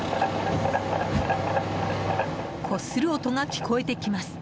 こする音が聞こえてきます。